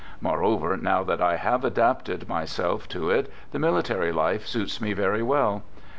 Moreover, now that I have adapted my self to it, the military life suits me very well.